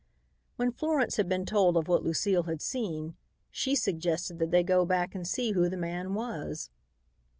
When Florence had been told of what Lucile had seen, she suggested that they go back and see who the man was.